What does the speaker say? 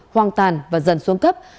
hoang tàn và dần xuống cấp